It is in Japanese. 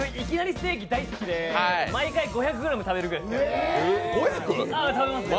ステーキ大好きで毎回５００ｇ食べるぐらいですからね。